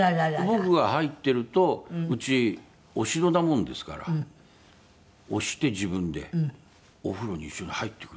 僕が入ってるとうち押し戸なものですから押して自分でお風呂に一緒に入ってくる。